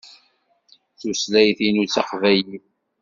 Tutlayt-inu d taqbaylit.